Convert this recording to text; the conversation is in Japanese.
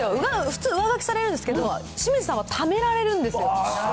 普通、上書きされるんですけど、清水さんはためられるんですよ。